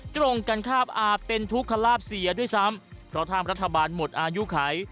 ตรงกันครับอาจเป็นทุกขลาบเสียด้วยซ้ำเพราะทางรัฐบาลหมดอายุไข